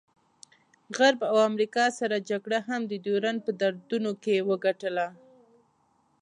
غرب او امریکا سړه جګړه هم د ډیورنډ په دردونو کې وګټله.